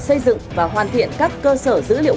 xây dựng tạo lập dữ liệu